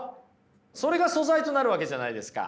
それが素材となるわけじゃないですか。